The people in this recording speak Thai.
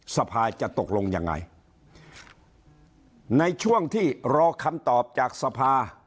สภาจะตกลงยังไงในช่วงที่รอคำตอบจากสภา